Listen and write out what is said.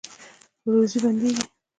روزي بندیږي؟